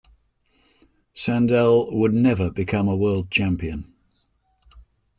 Sandel would never become a world champion.